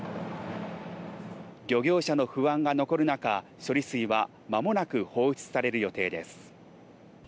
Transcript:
漁業者の不安が残る中処理水はまもなく放出される予定です。